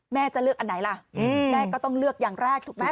จะเลือกอันไหนล่ะแม่ก็ต้องเลือกอย่างแรกถูกไหม